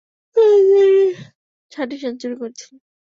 তিনি সাতটি সেঞ্চুরি করেছিলেন।